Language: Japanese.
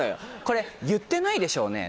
これ言ってないでしょうね？